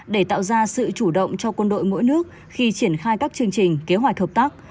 để tạo ra sự chủ động cho quân đội mỗi nước khi triển khai các chương trình kế hoạch hợp tác